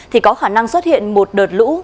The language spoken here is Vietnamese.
thì có khả năng xuất hiện một đợt lũ